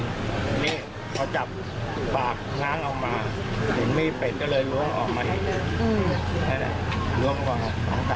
นี่เขาจับฝากงั้งออกมามีเป็ดก็เลยล้วงออกมาอีกทีล้วงกว่า๒๓กิโลกรัม